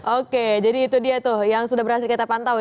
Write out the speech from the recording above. oke jadi itu dia tuh yang sudah berhasil kita pantau ya